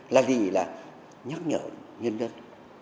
là gì là nhắc nhở nhân dân